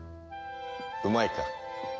うまいか？